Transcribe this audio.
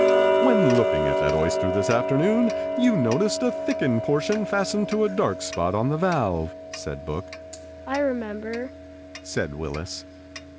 "When looking at that oyster this afternoon you noticed a thickened portion fastened to a dark spot on the valve," said Book. "I remember," said Willis.